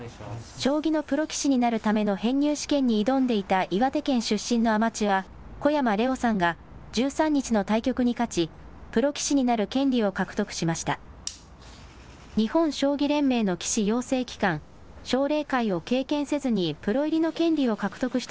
将棋のプロ棋士になるための編入試験に挑んでいた岩手県出身のアマチュア、小山怜央さんが、１３日の対局に勝ち、プロ棋士になる権利を獲得しました。